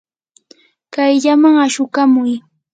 kayllaman ashukamuy.